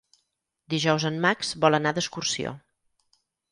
Dijous en Max vol anar d'excursió.